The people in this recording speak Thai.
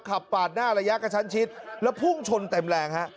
ปาดหน้าระยะกระชั้นชิดแล้วพุ่งชนเต็มแรงฮะ